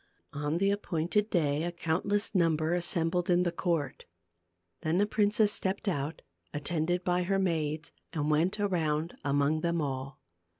On the appointed day a countless number as sembled in the court. Then the princess stepped out, attended by her maids, and went around among them all.